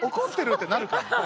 ってなるか？